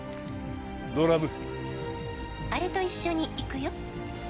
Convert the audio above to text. ドラム「あれと一緒に行くよ」